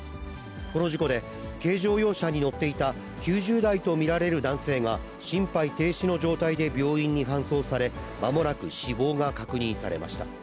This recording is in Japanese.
この事故で、軽乗用車に乗っていた９０代と見られる男性が、心肺停止の状態で病院に搬送され、まもなく死亡が確認されました。